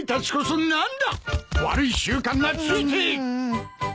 悪い習慣がついて！